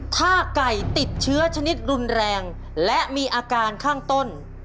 ถ้าไก่ติดเชื้อชนิดรุนแรงและมีอาการข้างต้น